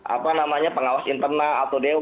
apa namanya pengawas interna atau deu